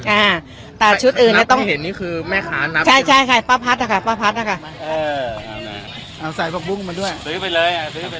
อ่าแต่ชุดอื่นต้องเห็นนี่คือแม่ค้านับใช่ใช่ค่ะป้าพัฒน์นะคะป้าพัฒน์นะคะเออเอาใส่พักบุ้งมาด้วยไปเลย